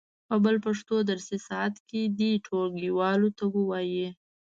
په بل پښتو درسي ساعت کې دې ټولګیوالو ته و وایي.